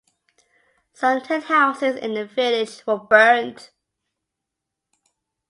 Some ten houses in the village were burnt.